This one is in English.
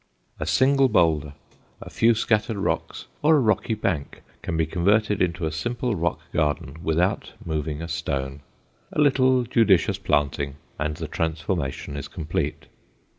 A single boulder, a few scattered rocks, or a rocky bank can be converted into a simple rock garden without moving a stone. A little judicious planting and the transformation is complete.